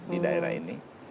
di daerah ini